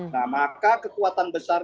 nah maka kekuatan besar